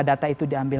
data itu diambil